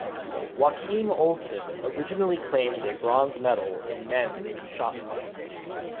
Joachim Olsen originally claimed a bronze medal in men's shot put.